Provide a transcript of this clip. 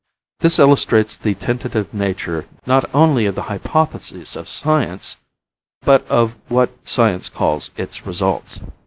This illustrates the tentative nature not only of the hypotheses of science, but of what science calls its results.